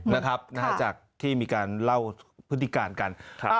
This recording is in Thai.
นะครับจากที่มีการเล่าพฤติการกัน